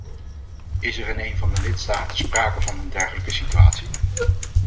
Is er in een van de lidstaten sprake van een dergelijke situatie?